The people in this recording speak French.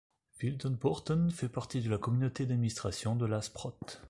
Wildenbörten fait partie de la Communauté d'administration de la Sprotte.